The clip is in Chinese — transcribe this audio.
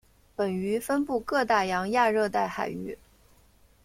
本鱼分布各大洋亚热带海域。